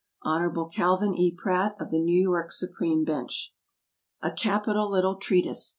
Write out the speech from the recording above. Hon. CALVIN E. PRATT, of the New York Supreme Bench. A capital little treatise.